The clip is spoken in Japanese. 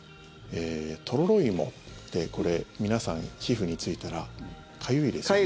とろろ芋って、皆さん皮膚についたらかゆいですよね。